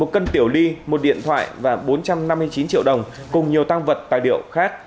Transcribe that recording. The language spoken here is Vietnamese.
một cân tiểu ly một điện thoại và bốn trăm năm mươi chín triệu đồng cùng nhiều tăng vật tài liệu khác